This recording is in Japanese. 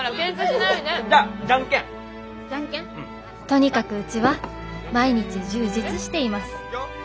「とにかくうちは毎日充実しています。